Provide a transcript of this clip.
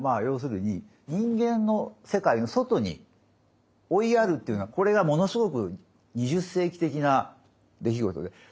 要するに人間の世界の外に追いやるというのはこれがものすごく２０世紀的な出来事で。